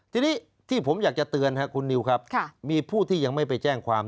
ทีนี้ที่ผมอยากจะเตือนครับคุณนิวครับมีผู้ที่ยังไม่ไปแจ้งความ